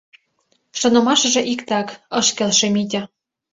— Шонымашыже иктак, — ыш келше Митя.